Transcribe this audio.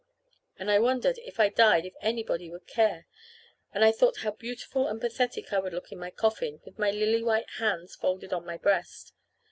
And I wondered, if I died if anybody would care; and I thought how beautiful and pathetic I would look in my coffin with my lily white hands folded on my breast.